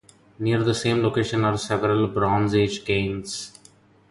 Near the same location are several Bronze Age cairns.